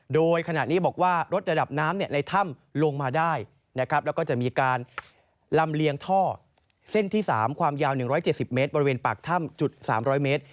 โดยขณะนี้บอกว่าลดระดับน้ำในถ้ำลงมาได้นะครับแล้วก็จะมีการลำเลียงท่อเส้นที่๓ความยาว๑๗๐เมตรบริเวณปากถ้ำจุด๓๐๐เมตร